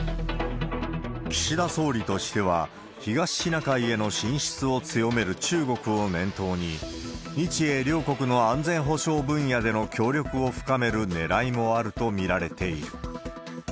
岸田総理としては、東シナ海への進出を強める中国を念頭に、日英両国の安全保障分野での協力を深めるねらいもあると見られている。